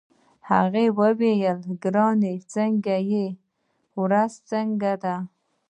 هغې وویل: ګرانه څنګه يې، ورځ څنګه ده؟